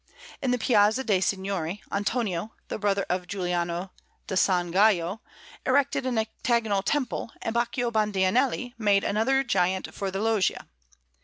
In the Piazza de' Signori, Antonio, the brother of Giuliano da San Gallo, erected an octagonal temple, and Baccio Bandinelli made a Giant for the Loggia.